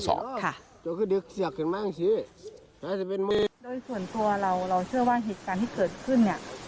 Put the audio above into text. โดยส่วนตัวเราเชื่อว่าเหตุการณ์ที่เกิดขึ้น